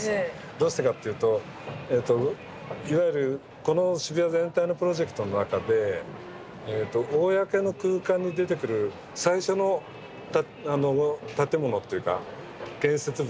どうしてかっていうといわゆるこの渋谷全体のプロジェクトの中で公の空間に出てくる最初の建物っていうか建設物だったんですね。